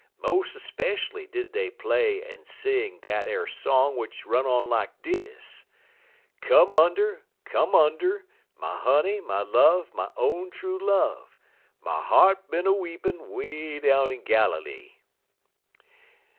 Mo' 'speshually did dey play en sing dat ar song w'ich it run on lak dis: "'_Come under, come under, My honey, my love, my own true love; My heart bin a weepin' Way down in Galilee.